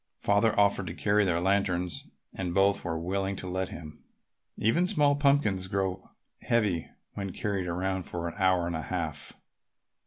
Father offered to carry their lanterns and both were willing to let him. Even small pumpkins grow heavy when carried around for an hour and a half.